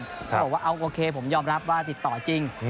เขาบอกว่าเอาโอเคผมยอมรับว่าติดต่อจริง